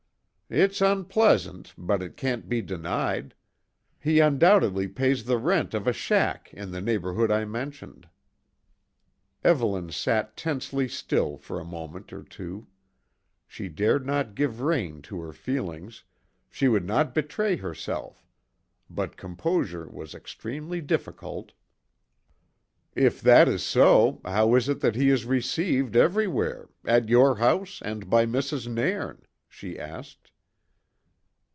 "It's unpleasant, but it can't be denied. He undoubtedly pays the rent of a shack in the neighbourhood I mentioned." Evelyn sat tensely still for a moment or two. She dared not give rein to her feelings, she would not betray herself; but composure was extremely difficult. "If that is so, how is it that he is received everywhere at your house and by Mrs. Nairn?" she asked.